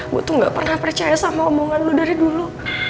gue tuh gak pernah percaya sama omongan lo dari dulu